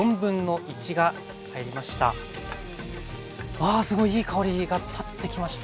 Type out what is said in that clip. あすごいいい香りが立ってきました。